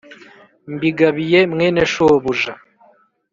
mbigabiye mwene shobuja.